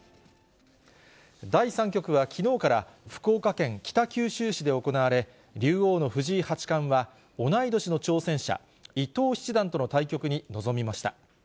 第３局はきのうから、福岡県北九州市で行われ、竜王の藤井八冠は、同い年の挑戦者、伊藤七段との対局に臨みました。